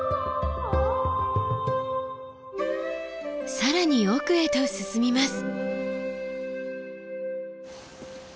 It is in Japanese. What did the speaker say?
更に奥へと進みます。